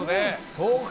そうか。